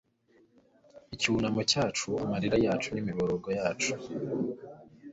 Icyunamo cyacu amarira yacu nimiborogo yacu